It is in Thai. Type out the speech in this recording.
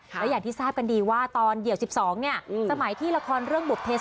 แล้วอย่างที่ทราบกันดีว่าตอนเดี่ยว๑๒เนี่ยสมัยที่ละครเรื่องบุภ